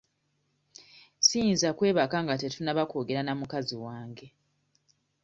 Siyinza kwebaka nga tetunnaba kwogera na mukazi wange.